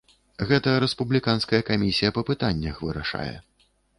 Гэта рэспубліканская камісія па пытаннях вырашае.